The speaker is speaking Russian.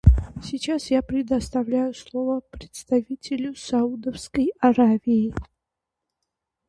Сейчас я предоставляю слово представителю Саудовской Аравии.